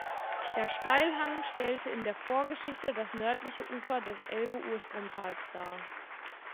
Der Steilhang stellte in der Vorgeschichte das nördliche Ufer des Elbe-Urstromtals dar.